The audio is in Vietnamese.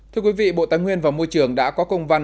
thưa quý vị bộ tài nguyên và môi trường đã có công văn